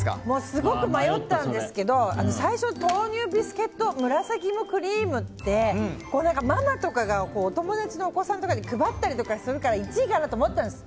すごく迷ったんですけど最初、豆乳ビスケット紫いもクリームってママとかがお友達のお子さんとかに配ったりするから１位かなと思ったんです。